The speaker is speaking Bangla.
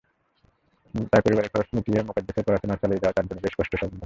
তাই পরিবারের খরচ মিটিয়ে মোকাদ্দেসের পড়াশোনা চালিয়ে যাওয়া তাঁর জন্য বেশ কষ্টসাধ্য।